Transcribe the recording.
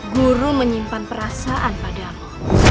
guru menyimpan perasaan padamu